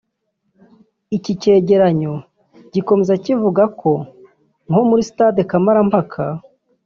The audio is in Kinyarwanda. Iki cyegeranyo gikomeza kivuga ko nko muri Stade Kamarampaka